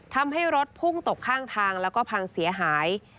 ทำให้รถพุ่งตกข้างทางแล้วก็พังเสียหาย